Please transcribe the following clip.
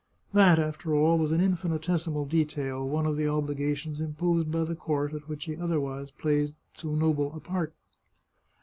That, after all, was an infinitesimal detail, one of the obligations imposed by the court at which he other wise played so noble a part.